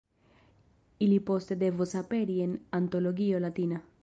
Ili poste devos aperi en Antologio Latina.